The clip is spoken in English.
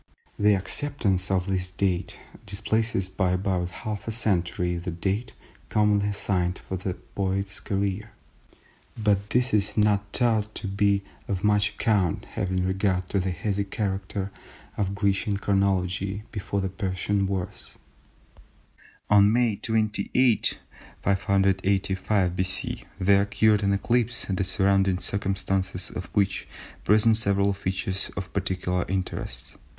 The acceptance of this date displaces by about half a century the date commonly assigned for the poet's career, but this is not thought to be of much account having regard to the hazy character of Grecian chronology before the Persian wars. On May 28, 585 B.C. there occurred an eclipse the surrounding circumstances of which present several features of particular interest.